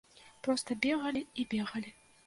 Проста бегалі і бегалі.